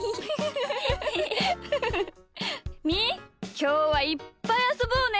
きょうはいっぱいあそぼうね。